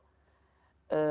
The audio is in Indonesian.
dan kita kuat untuk itu semua